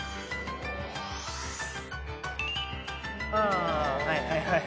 あはいはい。